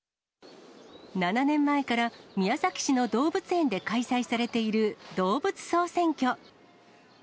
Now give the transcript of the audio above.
７年前から、宮崎市の動物園で開催されている動物総選挙。